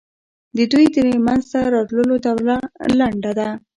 د دوی د منځته راتلو دوره لنډه ده.